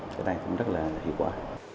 cái này cũng rất là hiệu quả